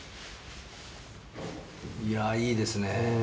いやいいですね。